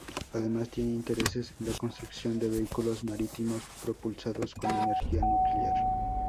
Además, tiene intereses en la construcción de vehículos marítimos propulsados con energía nuclear.